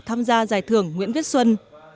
tham gia giải thưởng nguyễn viết xuân